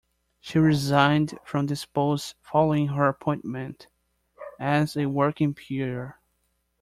She resigned from this post following her appointment as a working peer.